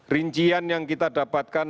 rincian yang kita dapatkan